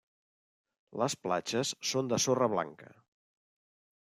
Les platges són de sorra blanca.